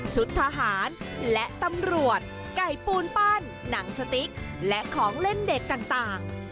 ทหารและตำรวจไก่ปูนปั้นหนังสติ๊กและของเล่นเด็กต่าง